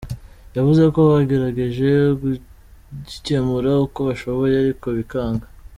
Yavuze ko bagerageje kugikemura uko bashoboye ariko bikanga.